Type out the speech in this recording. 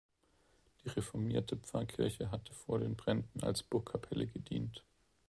Die reformierte Pfarrkirche hatte vor den Bränden als Burgkapelle gedient.